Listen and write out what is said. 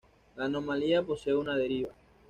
La anomalía posee una deriva.